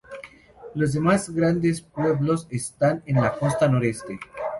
Los demás grandes pueblos están en la costa noreste.